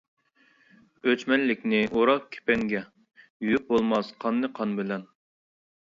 ئۆچمەنلىكنى ئورا كېپەنگە، يۇيۇپ بولماس قاننى قان بىلەن.